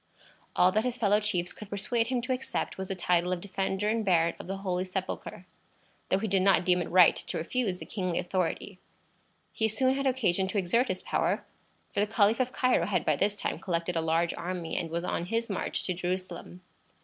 All that his fellow chiefs could persuade him to accept was the title of Defender and Baron of the Holy Sepulchre, though he did not deem it right to refuse the kingly authority. He soon had occasion to exert his power, for the Caliph of Cairo had by this time collected a large army, and was on his march to Jerusalem.